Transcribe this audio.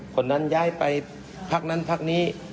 คนนั้นย้ายไปพักนั้นพักนี้